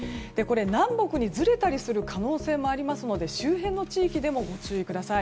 南北にずれたりする可能性もありますので周辺の地域でもご注意ください。